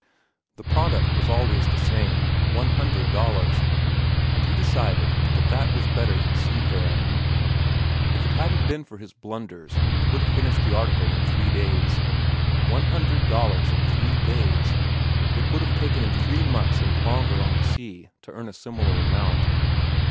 The product was always the same, one hundred dollars, and he decided that that was better than seafaring. If it hadn't been for his blunders, he would have finished the article in three days. One hundred dollars in three days! It would have taken him three months and longer on the sea to earn a similar amount.